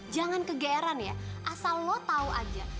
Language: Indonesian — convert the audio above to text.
jangan kegeeran ya asal lo tau aja